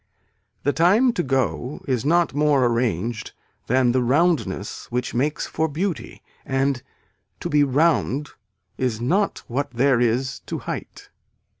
The time to go is not more arranged than the roundness which makes for beauty and to be round is not what there is to height.